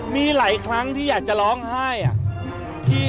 มีหลายครั้งที่อยากจะร้องไห้